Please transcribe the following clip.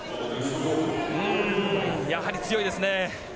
やはり強いですね。